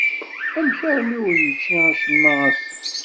Amek armi ur yečči acemma ass-a?